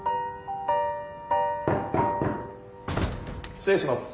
・・失礼します。